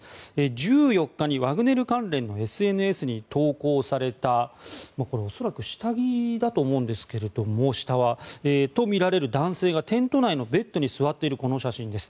１４日にワグネル関連のＳＮＳに投稿されたこれは下は恐らく下着だと思うんですがとみられる男性がテント内のベッドに座っているこの写真です。